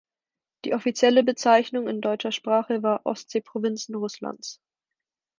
Die offizielle Bezeichnung in deutscher Sprache war "Ostseeprovinzen Russlands".